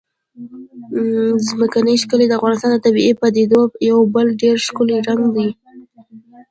ځمکنی شکل د افغانستان د طبیعي پدیدو یو بل ډېر ښکلی رنګ دی.